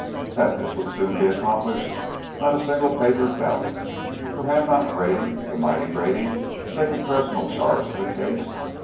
That this would soon be accomplished not a single paper doubted, for had not Grady, the mighty Grady, taken personal charge of the case?